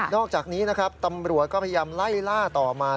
อกจากนี้นะครับตำรวจก็พยายามไล่ล่าต่อมา